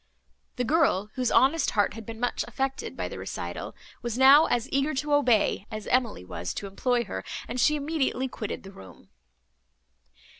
The girl, whose honest heart had been much affected by the recital, was now as eager to obey, as Emily was to employ her, and she immediately quitted the room.